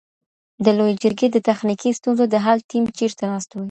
د لویې جرګي د تخنیکي ستونزو د حل ټیم چېرته ناست وي؟